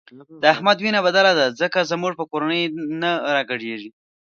د احمد وینه بدله ده ځکه زموږ په کورنۍ نه راګډېږي.